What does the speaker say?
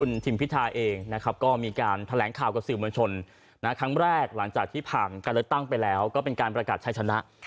ทิมพิธาเองนะครับก็มีการแถลงข่าวกับสื่อมวลชนครั้งแรกหลังจากที่ผ่านการเลือกตั้งไปแล้วก็เป็นการประกาศชายชนะ